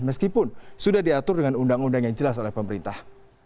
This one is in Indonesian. meskipun sudah diatur dengan undang undang yang jelas oleh pemerintah